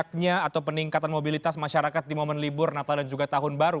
dampaknya atau peningkatan mobilitas masyarakat di momen libur natal dan juga tahun baru